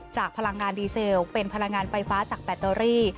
พลังงานดีเซลเป็นพลังงานไฟฟ้าจากแบตเตอรี่